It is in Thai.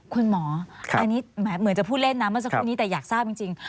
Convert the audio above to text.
คุณหมออันนี้เหมือนจะพูดเล่นนะเมื่อสักครู่นี้แต่อยากทราบจริง